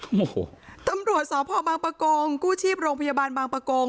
โอ้โหตำรวจสพบางประกงกู้ชีพโรงพยาบาลบางประกง